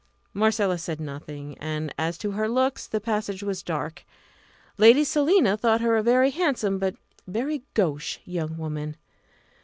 Marcella said nothing, and as to her looks the passage was dark. Lady Selina thought her a very handsome but very gauche young woman.